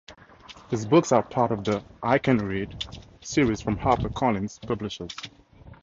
His books are part of the, "I Can Read" series from HarperCollins publishers.